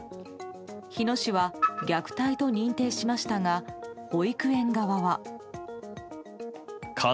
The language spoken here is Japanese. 日野市は虐待と認定しましたが保育園側は。